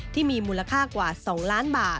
ที่มีมูลค่ากว่า๒ล้านบาท